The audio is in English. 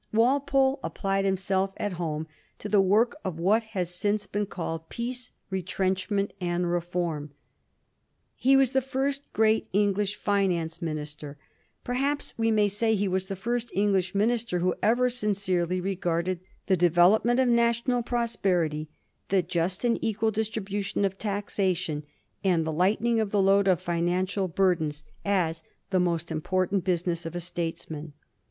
Walpole applied himself at home to the work of what has since been called Peace, Retrenchment, and Reform. He was the first great English finance minister ; perhaps we may say he was the first English minister who ever sincerely re garded the development of national prosperity, the just and equal distribution of taxation, and the light ening of the load of financial burdens, as the most Digiti zed by Google I 1721 ANTICIPATIONS OF FREE TRADE. 301 important business of a statesman.